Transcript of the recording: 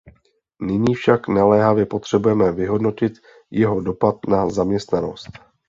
Nyní však naléhavě potřebujeme vyhodnotit jeho dopad na zaměstnanost.